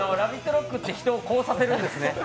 ＲＯＣＫって人をこうさせるんですね。